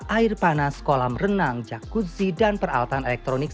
air panas kolam renang jakuzzi dan peralatan elektronik